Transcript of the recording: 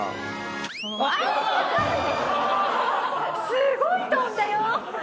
すごい飛んだよ！